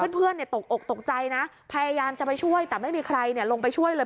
เพื่อนตกอกตกใจพยายามจะช่วยแต่ไม่มีใครลงไปช่วยเลย